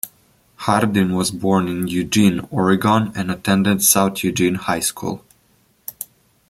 Hardin was born in Eugene, Oregon and attended South Eugene High School.